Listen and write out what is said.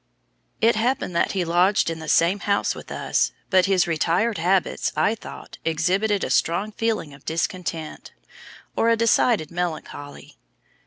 It happened that he lodged in the same house with us, but his retired habits, I thought, exhibited a strong feeling of discontent, or a decided melancholy.